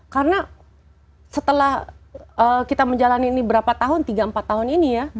karena setelah kita menjalani ini berapa tahun tiga empat tahun ini ya